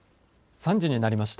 ３時になりました。